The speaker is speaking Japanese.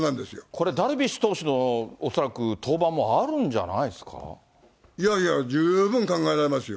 これ、ダルビッシュ投手の、恐らく登板もあるんじゃないですいやいや、十分考えられますよ。